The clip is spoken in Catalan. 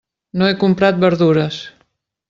No he comprat verdures.